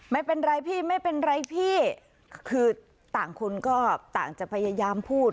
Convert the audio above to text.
ไม่เป็นไรพี่ไม่เป็นไรพี่คือต่างคนก็ต่างจะพยายามพูด